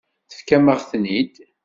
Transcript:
Tefkamt-aɣ-ten-id.